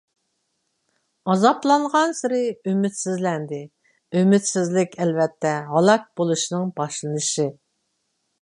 ئازابلانغانسېرى ئۈمىدسىزلەندى. ئۈمىدسىزلىك ئەلۋەتتە ھالاك بولۇشنىڭ باشلىنىشى.